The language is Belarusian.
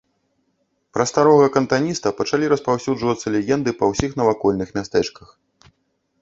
Пра старога кантаніста пачалі распаўсюджвацца легенды па ўсіх навакольных мястэчках.